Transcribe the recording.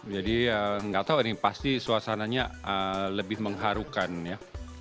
jadi enggak tahu ini pasti suasananya lebih mengharukan ya